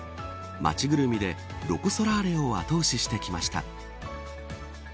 町ぐるみでロコ・ソラーレを後押ししてきました。